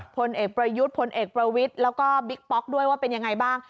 พลเอกประยุทธ์พลเอกประวิทย์แล้วก็บิ๊กป๊อกด้วยว่าเป็นยังไงบ้าง